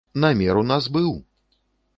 Намер у нас быў!